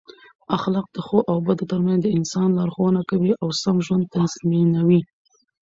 اخلاق د ښو او بدو ترمنځ د انسان لارښوونه کوي او سم ژوند تضمینوي.